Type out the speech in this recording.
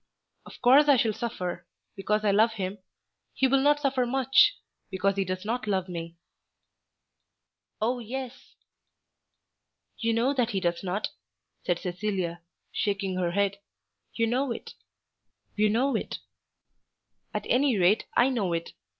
Of course I shall suffer, because I love him. He will not suffer much, because he does not love me." "Oh, yes!" "You know that he does not," said Cecilia, shaking her head. "You know it. You know it. At any rate I know it.